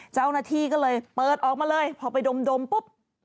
เจ้าหน้าที่ก็เลยเปิดออกมาเลยพอไปดมปุ๊บ